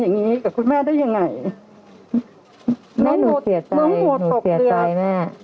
อย่างงี้กับคุณแม่ได้ยังไงแม่หนูเสียใจน้องหนูตกใจแม่